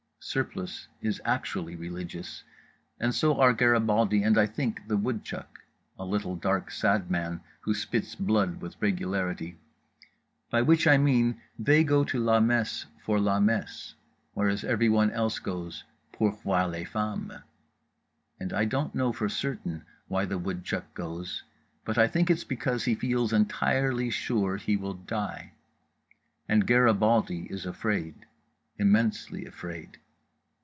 Surplice is actually religious, and so are Garibaldi and I think The Woodchuck (a little dark sad man who spits blood with regularity); by which I mean they go to la messe for la messe, whereas everyone else goes pour voir les femmes. And I don't know for certain why The Woodchuck goes, but I think it's because he feels entirely sure he will die. And Garibaldi is afraid, immensely afraid.